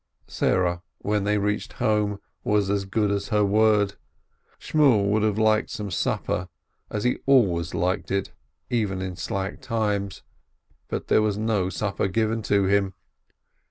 Sarah, when they reached home, was as good as her word. Shmuel would have liked some supper, as he always liked it, even in slack times, but there was no supper given him.